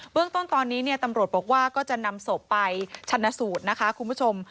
เรื่องต้นตอนนี้ตำรวจบอกว่าก็จะนำศพไปชนะสูตรนะคะคุณผู้ชม